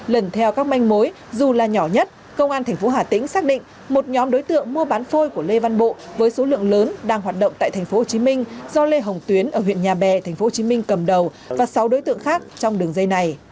lần theo các manh mối dù là nhỏ nhất công an tp hà tĩnh xác định một nhóm đối tượng mua bán phôi của lê văn bộ với số lượng lớn đang hoạt động tại tp hcm do lê hồng tuyến ở huyện nhà bè tp hcm cầm đầu và sáu đối tượng khác trong đường dây này